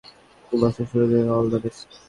তো নতুন বছর নতুন শুরুর জন্য অল দা বেস্ট!